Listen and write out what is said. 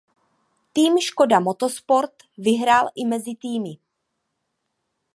Tým Škoda Motorsport vyhrál i mezi týmy.